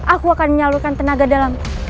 aku akan menyalurkan tenaga dalam